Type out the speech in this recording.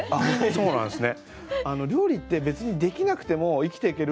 そうなんですね。